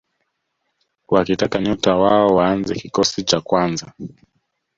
wakitaka nyota wao waanze kikosi cha kwanza